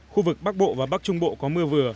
khu vực bắc bộ và bắc trung bộ có mưa vừa